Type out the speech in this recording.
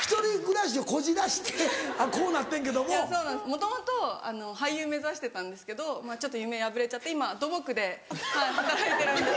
もともと俳優目指してたんですけどちょっと夢破れちゃって今土木で働いてるんです。